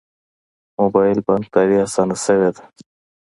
موبایل بانکداري اسانه شوې ده